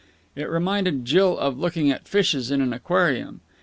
It reminded Jill of looking at fishes in an aquarium.